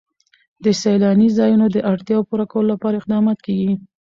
د سیلاني ځایونو د اړتیاوو پوره کولو لپاره اقدامات کېږي.